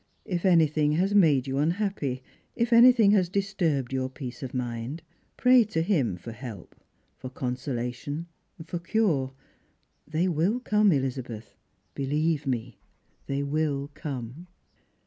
If anything has made you unhappy, if anything has disturbed your peace of mind, pray to Him for help, for consolation, for cure. They will come, Elizabeth ; believe me, they will come."